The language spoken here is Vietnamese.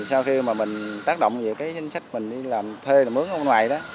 sau khi mà mình tác động về cái danh sách mình đi làm thuê mướn ở ngoài đó